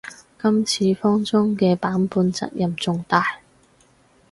今次封裝嘅版本責任重大